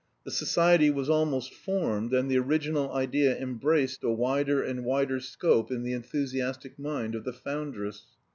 The society was almost formed, and the original idea embraced a wider and wider scope in the enthusiastic mind of the foundress.